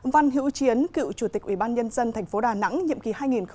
văn hữu chiến cựu chủ tịch ubnd tp đà nẵng nhiệm kỳ hai nghìn một mươi một hai nghìn một mươi bốn